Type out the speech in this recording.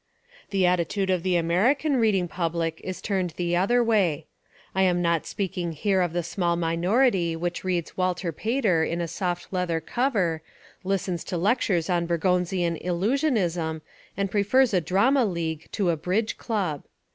The attitude of the American reading public is turned the other way. I am not speaking here of the small minority which reads Walter Pater in a soft leather cover, listens to lectures on Bergsonian illusionism and prefers a drama league to a bridge club.